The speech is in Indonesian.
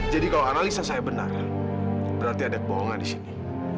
jadi kalau analisa saya benar berarti ada kebohongan di sini